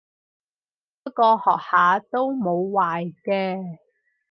不過學下都冇壞嘅